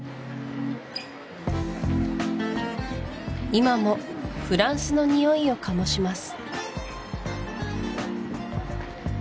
今もフランスのにおいを醸します